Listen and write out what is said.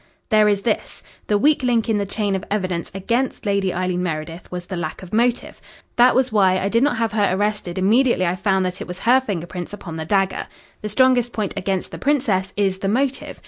"There is this. The weak link in the chain of evidence against Lady Eileen Meredith was the lack of motive. That was why I did not have her arrested immediately I found that it was her finger prints upon the dagger. The strongest point against the Princess is the motive.